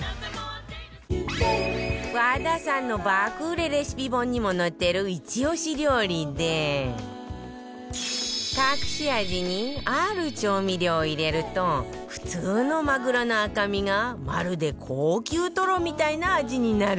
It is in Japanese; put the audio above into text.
和田さんの爆売れレシピ本にも載ってるイチ押し料理で隠し味にある調味料を入れると普通のマグロの赤身がまるで高級トロみたいな味になるんだって